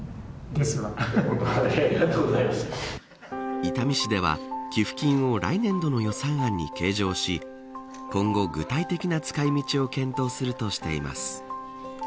伊丹市では寄付金を来年度の予算案に計上し今後、具体的な使い道を検討するとしています。